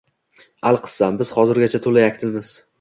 Alqissa, biz hozirgacha to‘la yakdilmiz